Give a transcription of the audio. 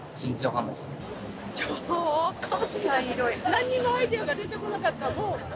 なんにもアイデアが出てこなかった。